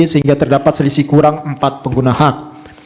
sehingga terdapat selisih kurang empat pengguna hak